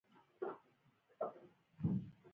او د لور نوم يې بندۍ وۀ